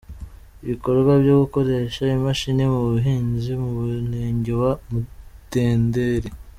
Ibikorwa byo gukoresha imashini mu buhinzi mu murenge wa Mutenderi .